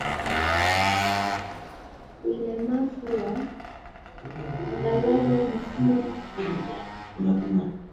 Ulemavu wa angalau mguu mmoja